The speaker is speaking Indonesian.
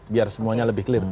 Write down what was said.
biar semuanya lebih clear